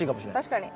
確かに。